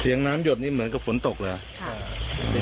เหลียงน้ำหยดนี่เหมือนกับฝนตกเหรอใช่